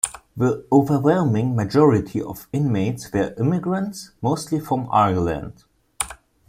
The overwhelming majority of inmates were immigrants, mostly from Ireland.